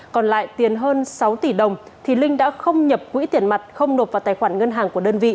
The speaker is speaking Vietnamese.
còn lại tiền hơn sáu tỷ đồng linh đã không nhập quỹ tiền mặt không nộp vào tài khoản ngân hàng của đơn vị